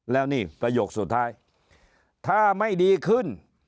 แล้วนี่ประโยคสุดท้ายถ้าไม่ดีขึ้น